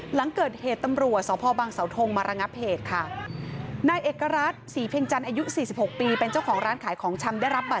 หลังเกิดเหตุตำรวจสพบางสาวโทงมารังอัพเพชรค่ะ